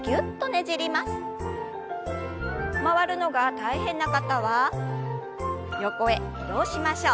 回るのが大変な方は横へ移動しましょう。